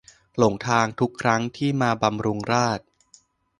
หลงทางทุกครั้งที่มาบำรุงราษฎร์